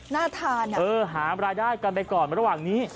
น่าทานหารายได้กันไปก่อนระหว่างนี้